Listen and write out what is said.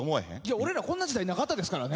俺らこんな時代なかったですからね。